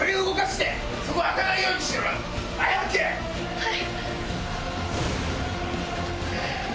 はい。